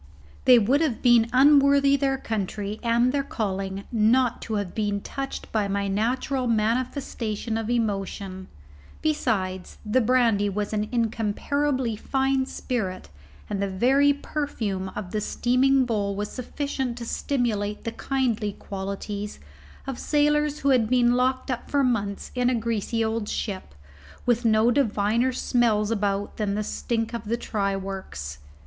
They would have been unworthy their country and their calling not to have been touched by my natural manifestation of emotion; besides, the brandy was an incomparably fine spirit, and the very perfume of the steaming bowl was sufficient to stimulate the kindly qualities of sailors who had been locked up for months in a greasy old ship, with no diviner smells about than the stink of the try works.